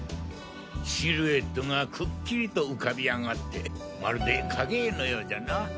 シルエットがくっきりと浮かび上がってまるで影絵のようじゃな。